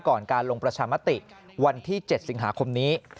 การลงประชามติวันที่๗สิงหาคมนี้